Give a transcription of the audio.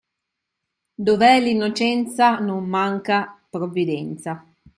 Dov'è l'innocenza non manca provvidenza.